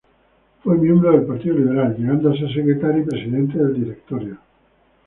Fue miembro del Partido Liberal, llegando a ser secretario y presidente del directorio.